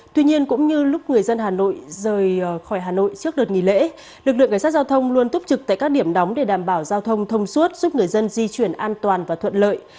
tuy nhiên cũng như lúc người dân hà nội rời khỏi hà nội trước đợt nghỉ lễ lực lượng cảnh sát giao thông luôn túc trực tại các điểm đóng để đảm bảo giao thông thông suốt giúp người dân di chuyển an toàn và thuận lợi